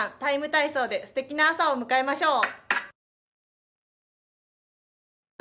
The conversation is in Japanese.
ＴＩＭＥ，体操」ですてきな朝を迎えましょう。